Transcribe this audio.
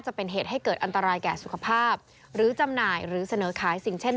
คือก่อนหน้านี้สรานจังหวัดการจานโบรีอนุวัติหมายจับ